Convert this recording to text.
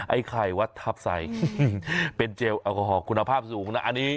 ไอไขวทรัพย์ไซค์เป็นเจลแอลกอฮอลคุณภาพสูงนะ